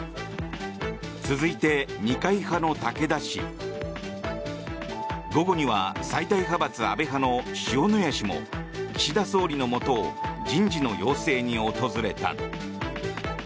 続いて、二階派の武田氏午後には最大派閥・安倍派の塩谷氏も岸田総理のもとを人事の要請に訪れた。